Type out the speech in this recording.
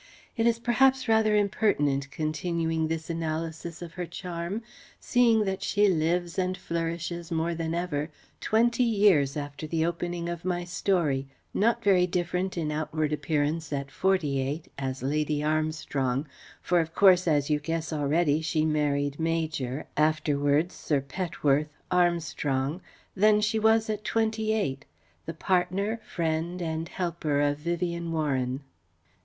It is perhaps rather impertinent continuing this analysis of her charm, seeing that she lives and flourishes more than ever, twenty years after the opening of my story; not very different in outward appearance at 48, as Lady Armstrong for of course, as you guess already, she married Major afterwards Sir Petworth Armstrong than she was at twenty eight, the partner, friend and helper of Vivien Warren.